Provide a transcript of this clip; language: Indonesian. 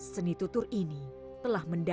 seni tutur ini telah mendapatkan